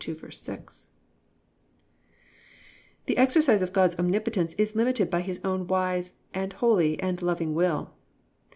_The exercise of God's omnipotence is limited by His own wise and holy and loving will.